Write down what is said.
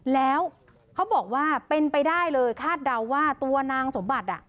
แล้วเขาบอกว่าเป็นไปได้เลยคาดเดาว่าตัวนางสมบัติ